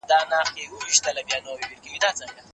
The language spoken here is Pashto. هغې د خپلې ارادې اوسپنیز دیوال درلود.